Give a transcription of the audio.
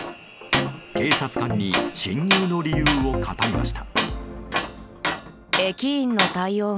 警察官に侵入の理由を語りました。